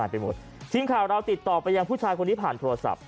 ทีมข่าวเราติดต่อไปยังผู้ชายคนนี้ผ่านโทรศัพท์